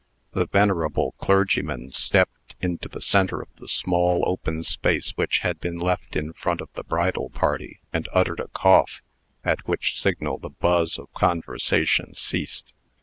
The venerable clergyman stepped into the centre of the small open space which had been left in front of the bridal party, and uttered a cough, at which signal the buzz of conversation ceased.